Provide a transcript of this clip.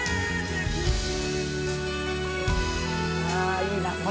あいいな。